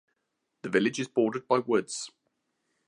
The village is bordered by woods.